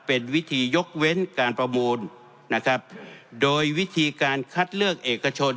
เป็นวิธียกเว้นการประมูลนะครับโดยวิธีการคัดเลือกเอกชน